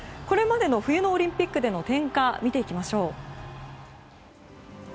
これまでの冬のオリンピックでの点火を見ていきましょう。